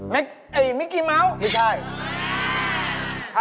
เมคเอ๊ะมิกกี้เมาท์ไม่ใช่